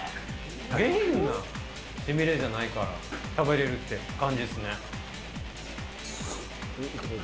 下品なしびれじゃないから、食べれるって感じっすね。